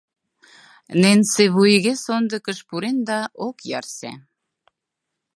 Ненси вуйге сондыкыш пурен да ок ярсе.